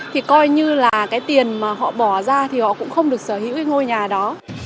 thì coi như là cái tiền mà họ bỏ ra thì họ cũng không được sở hữu cái ngôi nhà đó